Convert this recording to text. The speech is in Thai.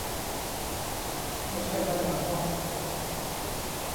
ไม่ใช่มาถามม็อบ